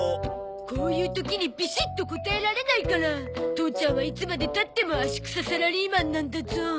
こういう時にビシッと答えられないから父ちゃんはいつまで経っても足くさサラリーマンなんだゾ。